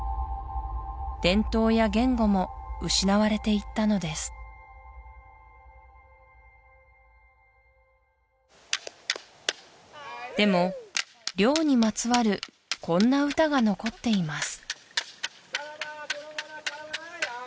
伝統や言語も失われていったのですでも漁にまつわるこんな歌が残っています